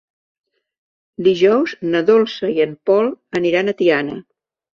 Dijous na Dolça i en Pol aniran a Tiana.